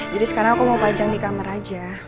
jadi sekarang aku mau pajang di kamar aja